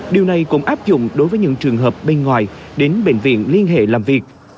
điều này cũng áp dụng đối với những trường hợp bên ngoài đến bệnh viện liên quan